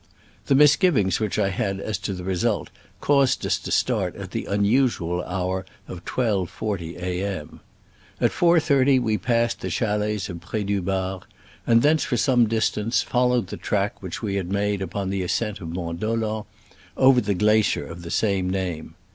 The misgivings which I had as to the result caused us to start at the unusual hour of 12.40 A. m. At 4.30 we passed the chalets of Pr^ du Bar, and thence, for some distance, fol lowed the track which we had made upon the ascent of Mont Dolent, over the glacier of the same name.